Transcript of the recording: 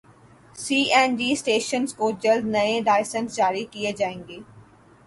سی N G stations کو جلد نئے لائسنس جاری کیے جائیں گے